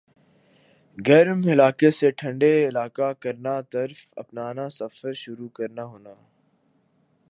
گرم علاقہ سے ٹھنڈے علاقہ کرنا طرف اپنانا سفر شروع کرنا ہونا